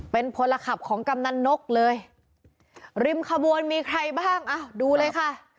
เป็นพลขับของกำนันนกเลยริมขบวนมีใครบ้างอ่ะดูเลยค่ะ